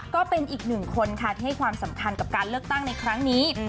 ก็เป็นอีกหนึ่งคนค่ะที่ให้ความสำคัญกับการเลือกตั้งในครั้งนี้